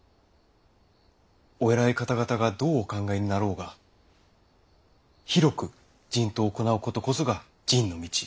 お偉い方々がどうお考えになろうが広く人痘を行うことこそが仁の道。